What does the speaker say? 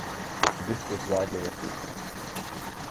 The book was widely received.